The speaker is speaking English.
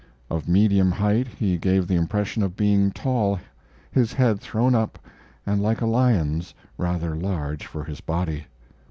Of medium height, he gave the impression of being tall his head thrown up, and like a lion's, rather large for his body.